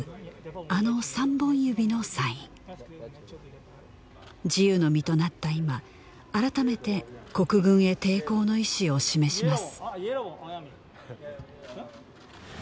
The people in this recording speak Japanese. あの３本指のサイン自由の身となった今改めて国軍へ抵抗の意思を示します